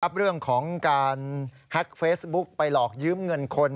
เรื่องของการแฮ็กเฟซบุ๊กไปหลอกยืมเงินคน